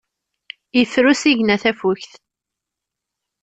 Yeffer usigna tafukt.